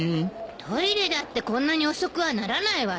トイレだってこんなに遅くはならないわよ。